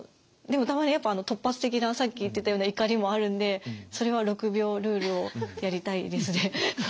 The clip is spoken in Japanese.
でもたまにやっぱ突発的なさっき言ってたような怒りもあるんでそれは６秒ルールをやりたいですね。